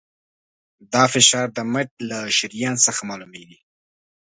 دا فشار د مټ له شریان څخه معلومېږي.